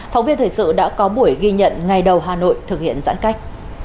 phóng viên thời sự đã có buổi ghi nhận ngày đầu hà nội thực hiện giãn cách